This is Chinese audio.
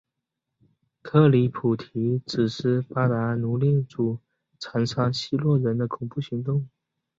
克里普提指斯巴达奴隶主残杀希洛人的恐怖行动。